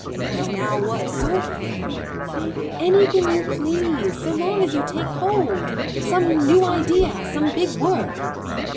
"Well, now, what sort of thing?" "Anything you please, so long as you take hold. Some new idea, some big work."